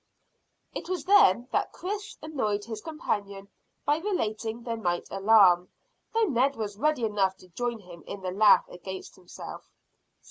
It was then that Chris annoyed his companion by relating the night alarm, though Ned was ready enough to join in the laugh against himself.